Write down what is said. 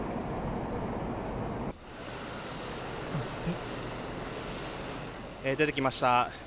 そして。